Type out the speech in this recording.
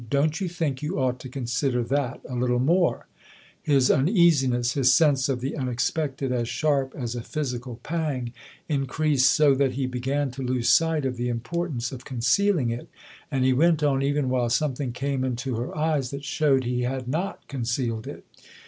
" Don't you think you ought to consider that a little more ?" His uneasiness, his sense of the unex pected, as sharp as a physical pang, increased so that he began to lose sight of the importance of concealing it ; and he went on even while something came into her eyes that showed he had not concealed it.